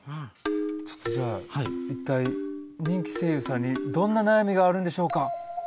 ちょっとじゃあ一体人気声優さんにどんな悩みがあるんでしょうか？